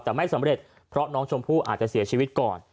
แต่ไม่สำเร็จเพราะน้องชมพู่อาจจะเสียชีวิตก่อน